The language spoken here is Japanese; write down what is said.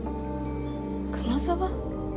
熊沢？